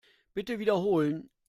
Bitte wiederholen.